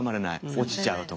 落ちちゃうとか。